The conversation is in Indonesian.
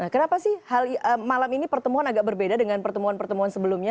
kenapa sih malam ini pertemuan agak berbeda dengan pertemuan pertemuan sebelumnya